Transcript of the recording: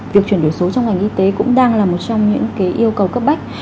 việc chuyển đổi số trong ngành y tế cũng đang là một trong những yêu cầu cấp bách